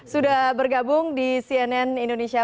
sudah bergabung di cnn indonesia